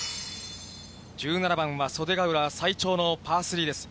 １７番は袖ヶ浦最長のパー３です。